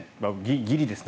ギリですね。